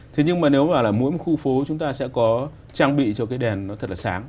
thế nhưng mà nếu mà là mỗi một khu phố chúng ta sẽ có trang bị cho cái đèn nó thật là sáng